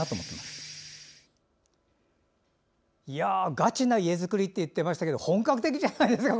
ガチな家造りって言ってましたけど本格的じゃないですか。